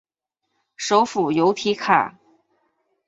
首府由提卡。